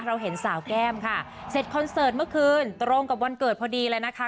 เราเห็นสาวแก้มค่ะเสร็จคอนเสิร์ตเมื่อคืนตรงกับวันเกิดพอดีเลยนะคะ